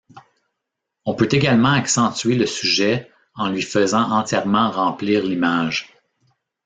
On peut également accentuer le sujet en lui faisant entièrement remplir l'image.